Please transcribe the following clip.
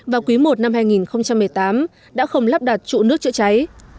và quý i năm hai nghìn một mươi tám đã không lắp đặt trụ nước chữa cháy